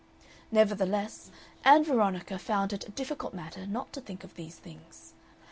Nevertheless, Ann Veronica found it a difficult matter not to think of these things.